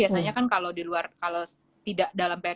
ernennya kantor selama bertugas selama hidup